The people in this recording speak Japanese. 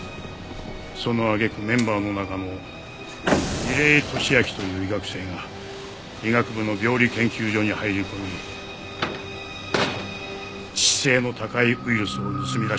その揚げ句メンバーの中の楡井敏秋という医学生が医学部の病理研究所に入り込み致死性の高いウイルスを盗み出してしまった。